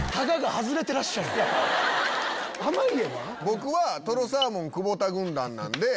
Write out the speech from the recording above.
僕はとろサーモン・久保田軍団なんで。